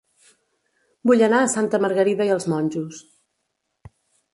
Vull anar a Santa Margarida i els Monjos